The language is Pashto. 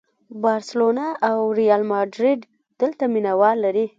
بارسلونا او ریال ماډریډ دلته مینه وال لري.